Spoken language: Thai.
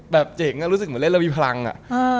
แบบเจ๋งอะรู้สึกเหมือนเล่นเรามีพลังอะ